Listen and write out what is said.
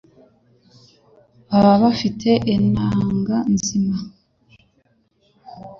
baba bafite intanga nzima